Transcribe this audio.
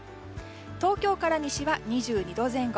東京から西は２２度前後。